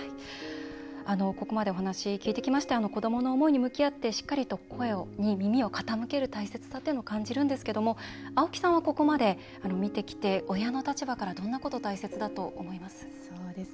ここまでお話を聞いてきまして子どもの思いに向き合ってしっかりと声に耳を傾ける大切さというのを感じるんですけども青木さんはここまで見てきて親の立場からどんなこと大切だと思います？